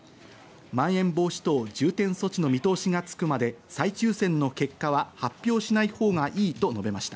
まん延防止等重点措置の見通しがつくまで再抽選の結果は発表しないほうがいいと述べました。